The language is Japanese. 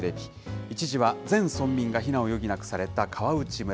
一時は全村民が避難を余儀なくされた川内村。